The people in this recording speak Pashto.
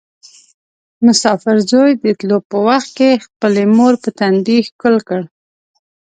مسافر زوی د تلو په وخت کې خپلې مور په تندي ښکل کړ.